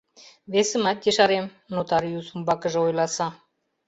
— Весымат ешарем, — нотариус умбакыже ойласа.